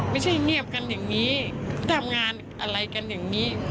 ไม่ใช่เงียบกันอย่างนี้ทำงานอะไรกันอย่างนี้